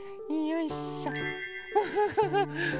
よいしょ。